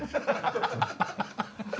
ハハハハ！